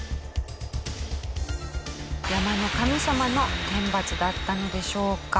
山の神様の天罰だったのでしょうか？